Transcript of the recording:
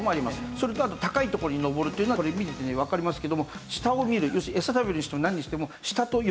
それとあと高い所に登るというのはこれ見ててねわかりますけども下を見る要するに餌食べるにしてもなんにしても。